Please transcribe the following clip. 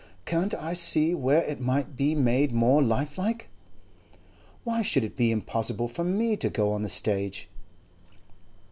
Can't I see where it might be made more lifelike? Why should it be impossible for me to go on the stage?